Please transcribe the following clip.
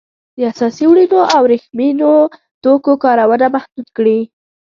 د اسیايي وړینو او ورېښمينو توکو کارونه محدوده کړي.